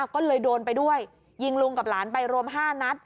ก็เลยโดนไปด้วยยิงลุงกับหลานไปรวม๕นัด